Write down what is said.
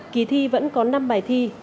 kỳ thi vẫn có năm bài thi